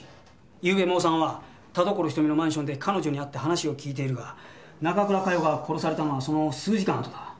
ゆうべモーさんは田所瞳のマンションで彼女に会って話を聞いているが中倉佳世が殺されたのはその数時間あとだ。